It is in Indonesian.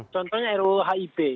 contohnya ruu hip